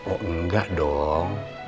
oh enggak dong